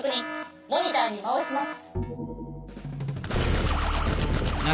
モニターにまわします。